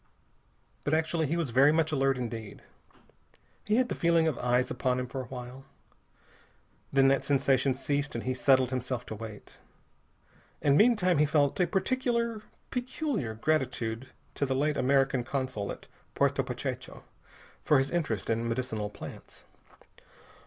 But actually he was very much alert indeed. He had the feeling of eyes upon him for a while. Then that sensation ceased and he settled himself to wait. And meantime he felt a particular, peculiar gratitude to the late American consul at Puerto Pachecho for his interest in medicinal plants.